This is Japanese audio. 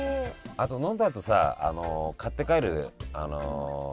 あと飲んだあとさ買って帰る人たちもさ